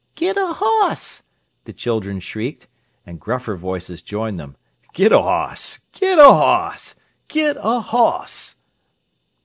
"Git a hoss!" the children shrieked, and gruffer voices joined them. "Git a hoss! Git a hoss! Git a _hoss!